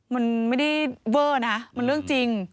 มันไม่ได้เวอร์นะมันเรื่องจริง